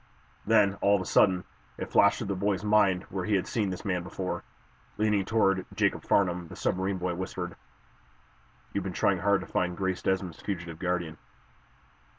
Then, all of a sudden, it flashed through the boy's mind where he had seen this man before. Leaning toward Jacob Farnum, the submarine boy whispered: "You've been trying hard to find Grace Desmond's fugitive guardian."